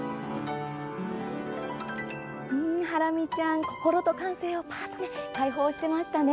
ハラミちゃん心と感性を開放していましたね。